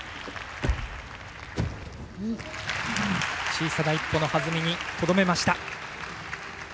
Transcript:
小さな一歩の弾みにとどめました。